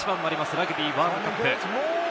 ラグビーワールドカップ。